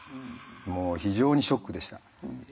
もう非常にショックでした。